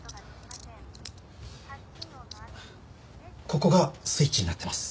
ここがスイッチになってます。